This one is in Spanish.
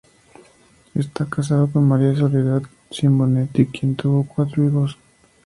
Está casado con María Soledad Simonetti, con quien tuvo cuatro hijos.